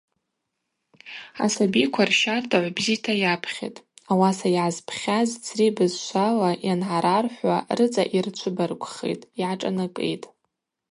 Асабиква рщардагӏв бзита йапхьитӏ, ауаса йгӏазпхьаз цри бызшвала йангӏархӏвахуа рыцӏа йырчвыбаргвхитӏ, йгӏашӏанакӏитӏ.